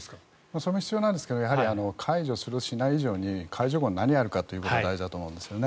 その必要なんですけど解除する、しないの話以上に解除後、何やるかということが大事だと思うんですね。